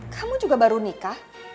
kamu juga baru nikah